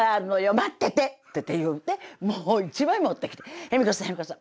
待ってて」って言うてもう一枚持ってきて「恵美子さん恵美子さん